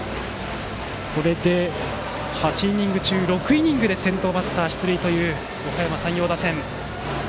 これで、８イニング中６イニングで先頭バッター出塁のおかやま山陽打線。